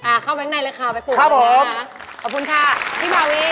อ่าเข้าแว่งในเลยค่ะแบบปุกแบบนี้นะครับขอบคุณค่ะพี่บ่าวี